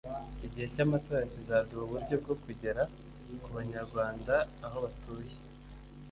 Igihe cy’amatora kizaduha uburyo bwo kugera ku Banyarwanda aho batuye